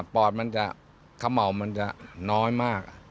ปอดมันจะเขม่ามันจะน้อยมาก